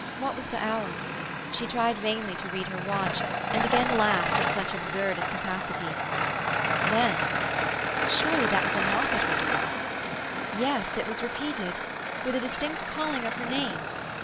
What was the hour? She tried vainly to read her watch, and again laughed at such absurd incapacity. Then— Surely that was a knock at her door? Yes; it was repeated, with a distinct calling of her name.